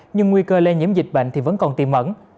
nhưng nguy cơ lây nhiễm dịch bệnh vẫn còn tìm ẩn